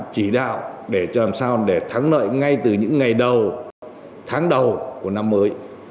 chỉ đạo để thắng lợi ngay từ những ngày đầu tháng đầu của năm mới